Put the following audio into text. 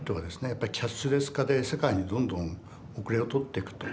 やっぱりキャッシュレス化で世界にどんどん後れを取ってくと。